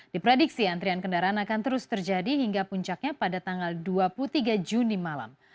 diprediksi antrian kendaraan akan terus terjadi hingga puncaknya pada tanggal dua puluh tiga juni malam